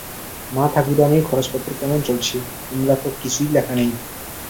মা-ঠাকুরাণীর খরচপত্র কেমন চলছে, তোমরা তা তো কিছুই লেখ নাই।